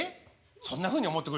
そんなふうに思ってくれてんの？